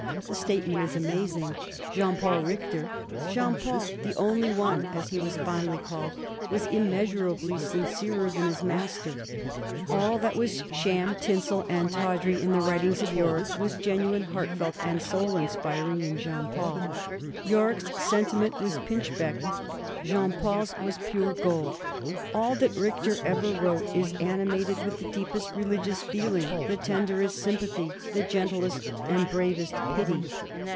The statement is amazing. Jean Paul Bichter, Jean Paul the Only One, as he was fondly called, was im measurably sincerer than his master. All that was sham, tinsel, and tawdry in the writings of Yorick was genuine, heart felt, and soul inspiring in Jean Paul. Yorick's sen timent was pinchbeck ; Jean Paul's was pure gold. All that Richter ever wrote is animated with the deepest re ligious feeling, the tenderest sympathy, the gentlest and bravest pity.